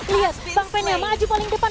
lihat bang fen yang maju paling depan